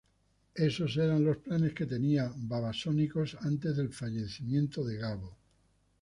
Esos eran los planes que tenía Babasónicos antes del fallecimiento de Gabo.